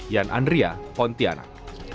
yan andria pontianak